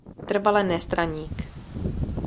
Trvale nestraník.